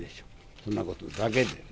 そんなことだけでね。